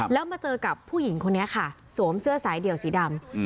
แล้วมาเจอกับผู้หญิงคนนี้ค่ะสวมเสื้อสายเดี่ยวสีดำ